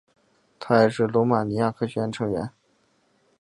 他也是罗马尼亚科学院成员。